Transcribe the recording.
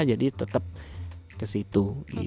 jadi tetap ke situ